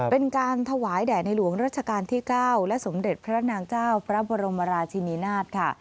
เป็นการถวายแด่ในหลวงรัชกาลที่๙และสมเด็จพระนางเจ้าพระบรมราชินินาศค่ะ